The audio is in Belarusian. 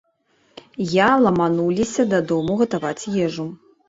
Я ламануліся дадому гатаваць ежу.